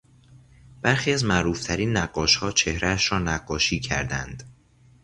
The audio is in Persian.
برخی از معروفترین نقاشها چهرهاش را نقاشی کردند.